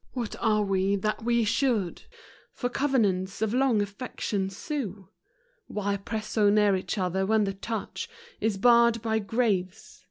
What are we, that we should For covenants of long affection sue ? Why press so near each other, when the touch Is barred by graves